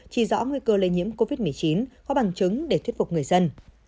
chỉ rõ nguy cơ lây nhiễm covid một mươi chín có bằng chứng để thuyết phục người dân